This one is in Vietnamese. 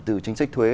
từ chính sách thuế